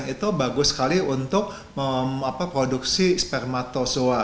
itu bagus sekali untuk produksi spermatozoa